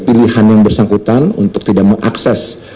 pilihan yang bersangkutan untuk tidak mengakses